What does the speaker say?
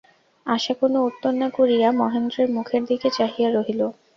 আশা কোনো উত্তর না করিয়া মহেন্দ্রের মুখের দিকে চাহিয়া রহিল।